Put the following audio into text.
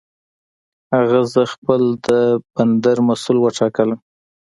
هغه زه خپل د بندر مسؤل وټاکلم.